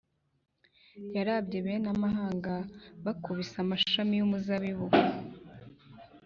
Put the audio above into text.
Yarabye bene amahanga bakubise amashami y umuzabibu